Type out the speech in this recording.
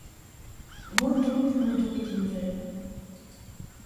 Monte donc me donner des nouvelles.